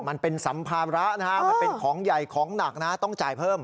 มันเป็นสัมภาระนะฮะมันเป็นของใหญ่ของหนักนะต้องจ่ายเพิ่ม